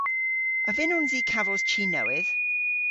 A vynnons i kavos chi nowydh?